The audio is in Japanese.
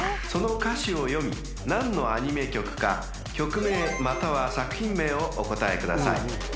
［その歌詞を読み何のアニメ曲か曲名または作品名をお答えください］